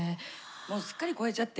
もうすっかり超えちゃって。